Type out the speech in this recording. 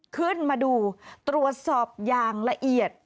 ขึ้นมาดูตรวจสอบอย่างละเอียด